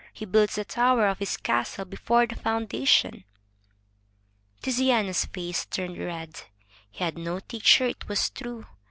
He builds the tower of his castle before the foundation." Tiziano's face turned red. He had no teacher, it was true.